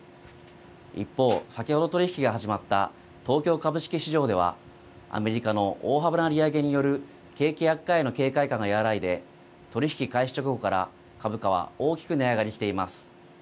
一方、先ほど取り引きが始まった東京株式市場ではアメリカの大幅な利上げによる景気悪化への警戒感が和らいで取り引き開始直後から株価は大きく値上がりしています。